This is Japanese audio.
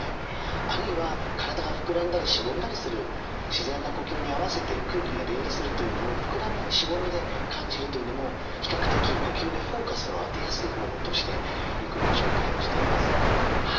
あるいは体が膨らんだりしぼんだりする自然な呼吸に合わせて空気が出入りするというのを膨らみしぼみで感じるというのも比較的呼吸にフォーカスを当てやすい方法としてよくご紹介をしています。